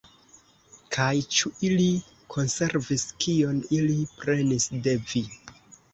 Kaj ĉu ili konservis, kion ili prenis de vi?